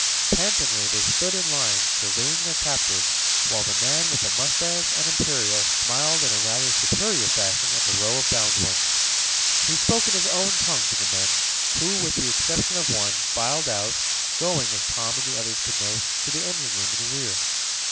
Pantingly they stood in line, surveying their captives, while the man with the mustache and imperial smiled in a rather superior fashion at the row of bound ones. He spoke in his own tongue to the men, who, with the exception of one, filed out, going, as Tom and the others could note, to the engine room in the rear.